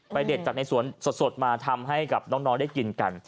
เด็ดจากในสวนสดมาทำให้กับน้องได้กินกัน